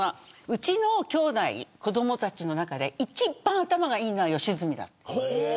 うちの兄弟の中で一番頭がいいのは良純だと。